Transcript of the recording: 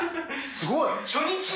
すごい。